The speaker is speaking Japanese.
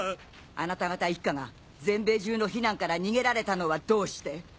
あなた方一家が全米中の非難から逃げられたのはどうして？